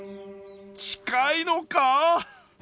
近いのか？